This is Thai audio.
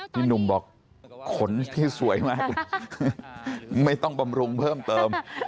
พี่หนุ่มบอกขนพี่สวยมากไม่ต้องบำรุงเพิ่มเติม